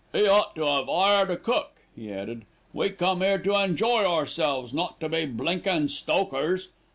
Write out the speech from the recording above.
"'E ought to 'ave 'ired a cook," he added. "We come 'ere to enjoy ourselves, not to be blinkin' stokers.